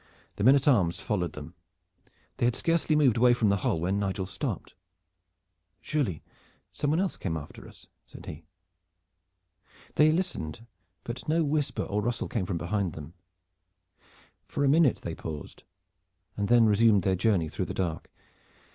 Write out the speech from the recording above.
The men at arms followed them. They had scarcely moved away from the hole when Nigel stopped. "Surely some one else came after us," said he. They listened, but no whisper or rustle came from behind them. For a minute they paused and then resumed their journey through the dark.